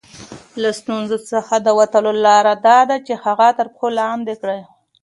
له ستونزو څخه د وتلو لاره دا ده چې هغه تر پښو لاندې کړئ.